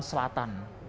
di bagian selatan